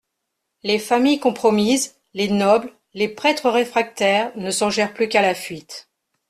Les familles compromises, les nobles, les prêtres réfractaires, ne songèrent plus qu'à la fuite.